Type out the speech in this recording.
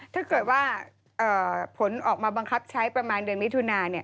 ถ้าเกิดว่าผลออกมาบังคับใช้ประมาณเดือนมิถุนา